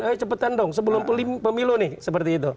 eh cepetan dong sebelum pemilu nih seperti itu